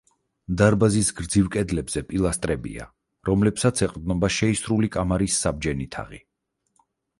დარბაზის გრძივ კედლებზე პილასტრებია, რომლებსაც ეყრდნობა შეისრული კამარის საბჯენი თაღი.